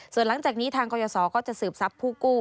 ส่วนหลังจากนี้ทางกรยศก็จะสืบทรัพย์ผู้กู้